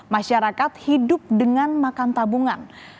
masyarakat hidup dengan makan tabungan